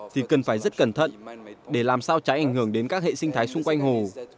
thì cần phải rất cẩn thận để làm sao trái ảnh hưởng đến các hệ sinh thái xung quanh hồ